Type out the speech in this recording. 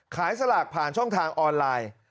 สลากผ่านช่องทางออนไลน์